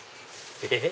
えっ？